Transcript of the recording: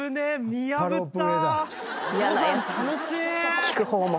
見破った。